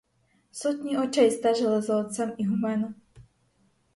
Сотні очей стежили за отцем ігуменом.